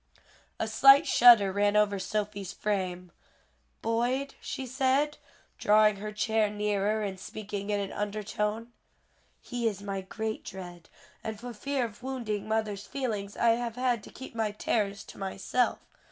A slight shudder ran over Sophie's frame. "Boyd?" she said, drawing her chair nearer and speaking in an undertone, "he is my great dread, and for fear of wounding mother's feelings I have had to keep my terrors to myself.